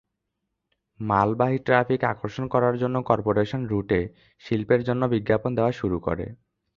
মালবাহী ট্র্যাফিক আকর্ষণ করার জন্য, কর্পোরেশন রুটে শিল্পের জন্য বিজ্ঞাপন দেওয়া শুরু করে।